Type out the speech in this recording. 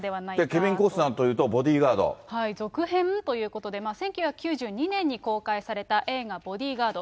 ケビン・コスナーというとボディガード、続編？ということで、１９９２年に公開された映画、ボディガード。